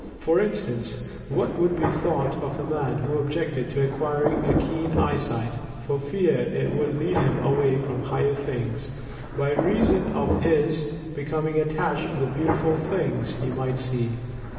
For instance, what would be thought of a man who objected to acquiring a keen eyesight, for fear it would lead him away from higher things, by reason of his becoming attached to the beautiful things he might see.